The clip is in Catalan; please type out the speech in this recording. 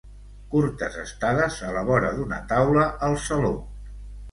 Curtes estades a la vora d’una taula al saló.